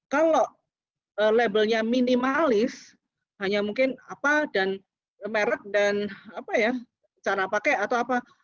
kalau labelnya minimalis hanya mungkin apa dan merek dan cara pakai atau apa